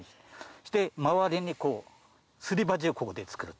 そして周りにすり鉢をここで作ると。